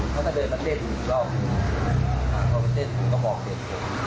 เพราะถ้าเดินมาเต้นก็เอามาเต้นก็บอกเดิน